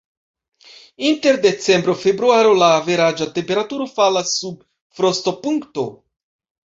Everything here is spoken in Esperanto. Inter decembro-februaro la averaĝa temperaturo falas sub frostopunkto.